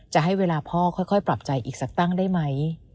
จะให้เวลาพ่อค่อยปรับใจอีกสักตั้งได้ไหม